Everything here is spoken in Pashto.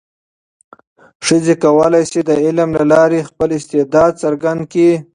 ښځې کولای شي د علم له لارې خپل استعداد څرګند کړي.